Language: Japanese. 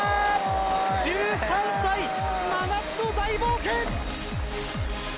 １３歳、真夏の大冒険！